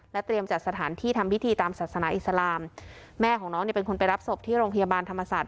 เตรียมจัดสถานที่ทำพิธีตามศาสนาอิสลามแม่ของน้องเนี่ยเป็นคนไปรับศพที่โรงพยาบาลธรรมศาสต